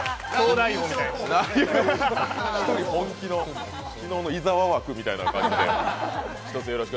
１人本気の昨日の伊沢枠みたいな感じで。